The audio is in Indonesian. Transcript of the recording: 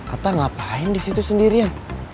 ata ngapain disitu sendirian